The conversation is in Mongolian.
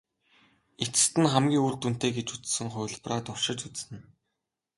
Эцэст нь хамгийн үр дүнтэй гэж үзсэн хувилбараа туршиж үзнэ.